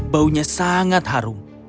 baunya sangat harum